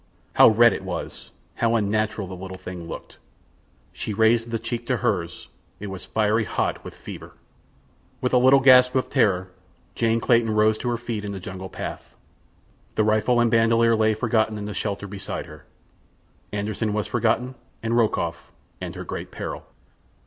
How red it was! How unnatural the little thing looked. She raised the cheek to hers. It was fiery hot with fever! With a little gasp of terror Jane Clayton rose to her feet in the jungle path. The rifle and bandoleer lay forgotten in the shelter beside her. Anderssen was forgotten, and Rokoff, and her great peril.